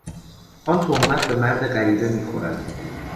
آن تهمت به مرد غریبه میخورد.